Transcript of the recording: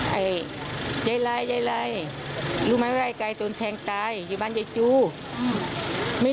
ไอใหญ่ไล่ไออะไร